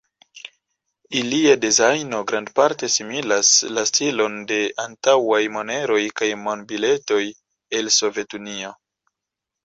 Ilia dezajno grandparte similas la stilon de antaŭaj moneroj kaj monbiletoj el Sovetunio.